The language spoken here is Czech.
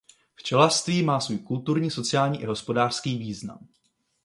Včelařství má svůj kulturní, sociální i hospodářský význam.